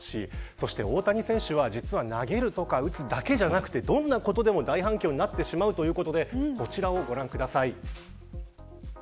そして大谷選手は実は投げるとか打つだけでなくてどんなことでも大反響になってしまうということでこちらをご覧ください。